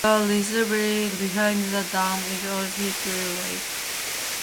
The reservoir behind the dam is Old Hickory Lake.